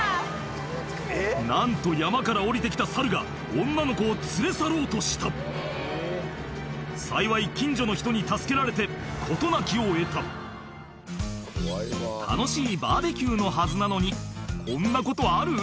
なんと山から下りて来た猿が女の子を連れ去ろうとした幸い近所の人に助けられて事なきを得た楽しいバーベキューのはずなのにこんなことある？